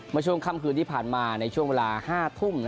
มาชมคำคืนที่ผ่านมาในช่วงเวลา๕ทุ่ม